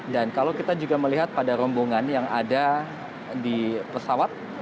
dan kalau kita juga melihat pada rombongan yang ada di pesawat